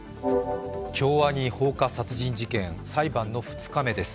京アニ放火殺人事件、裁判の２日目です。